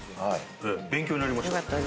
勉強になりました。